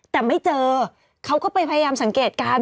แต่ไม่เจอเขาก็ไปพยายามสังเกตการณ์